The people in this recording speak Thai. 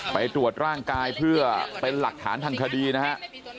ไปตรวจร่างกายเพื่อเป็นหลักฐานทางคดีนะฮะ